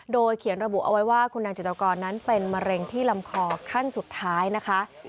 โดยเขียนระบุเอาไว้ว่าคุณนางจิตรกรนั้นเป็นมะเร็งที่ลำคอขั้นสุดท้ายนะคะ